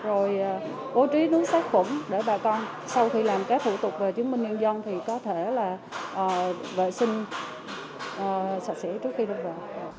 bố trí nơi rửa tay rồi bố trí nước sát khủng để bà con sau khi làm các thủ tục về chứng minh nhân dân thì có thể là vệ sinh sạch sẽ trước khi đưa vào